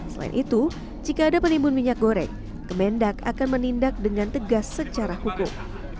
selain itu jika ada penimbun minyak goreng kemendak akan menindak dengan tegas secara hukum